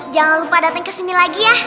jangan lupa datang kesini lagi ya